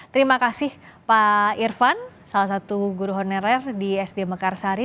terima kasih pak irfan salah satu guru honorer di sd mekarsari